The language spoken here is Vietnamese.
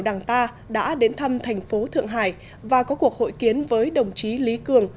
đảng ta đã đến thăm thành phố thượng hải và có cuộc hội kiến với đồng chí lý cường